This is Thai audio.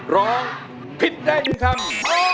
ร้องผิดได้๑คำ